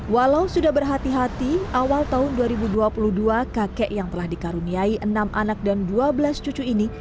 walau sudah berhati hati awal tahun dua ribu dua puluh dua kakek yang telah dikaruniai enam anak dan dua belas cucu ini